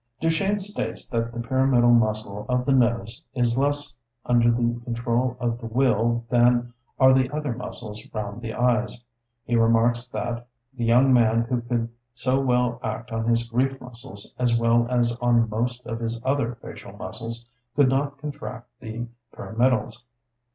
Duchenne states that the pyramidal muscle of the nose is less under the control of the will than are the other muscles round the eyes. He remarks that the young man who could so well act on his grief muscles, as well as on most of his other facial muscles, could not contract the pyramidals.